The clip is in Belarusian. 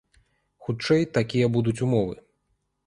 Хутчэй, такія будуць умовы.